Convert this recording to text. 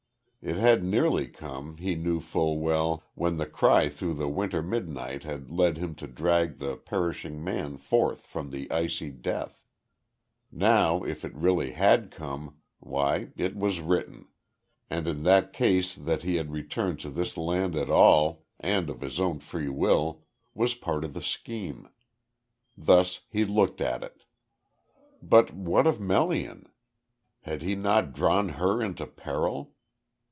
It had nearly come, he knew full well, when the cry through the winter midnight had led him to drag the perishing man forth from the icy death. Now, if it really had come, why "it was written;" and in that case that he had returned to this land at all, and of his own free will was part of the scheme. Thus he looked at it. But what of Melian? Had he not drawn her into peril?